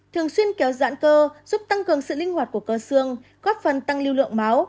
thường xuyên kéo dãn cơ giúp tăng cường sự linh hoạt của cơ xương góp phần tăng lưu lượng máu